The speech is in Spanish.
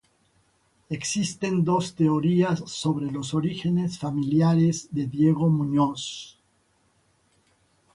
Existen dos teorías sobre los orígenes familiares de Diego Muñoz.